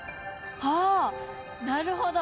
ああなるほど！